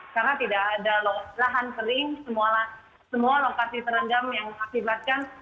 karena tidak ada lahan kering semua lokasi terendam yang mengakibatkan